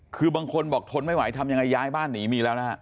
คือบางคนบอกทนไม่ไหวทำยังไงย้ายบ้านหนีมีแล้วนะฮะ